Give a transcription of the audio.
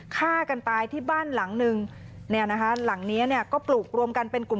ฆ่ากันตายที่บ้านหลังนึงหลังนี้ก็ปลูกรวมกันเป็นกลุ่ม